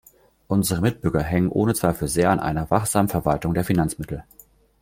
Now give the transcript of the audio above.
Unsere Mitbürger hängen ohne Zweifel sehr an einer wachsamen Verwaltung der Finanzmittel.